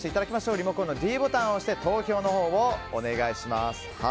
リモコンのｄボタンを押して投票をお願いします。